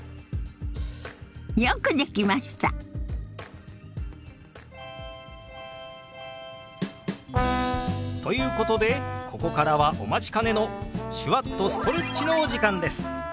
よくできました！ということでここからはお待ちかねの手話っとストレッチのお時間です！